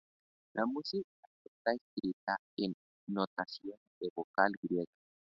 La música está escrita en notación de vocal griega.